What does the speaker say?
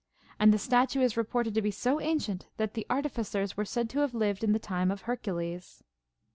And the statue is reported to be so ancient, that the artificers were said to have lived in the time of Hercules.